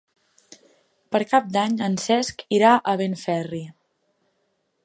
Per Cap d'Any en Cesc irà a Benferri.